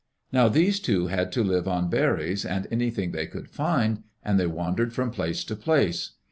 Now these two had to live on berries and anything they could find, and they wandered from place to place.